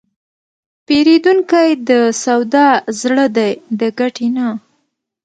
پیرودونکی د سودا زړه دی، د ګټې نه.